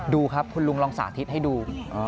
ดูครับคุณลุงลองสาธิตให้ดู